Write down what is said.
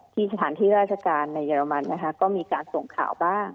สถานที่ราชการในเรมันนะคะก็มีการส่งข่าวบ้าง